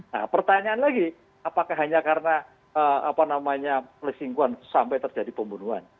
nah pertanyaan lagi apakah hanya karena apa namanya pelesingkuan sampai terjadi pembunuhan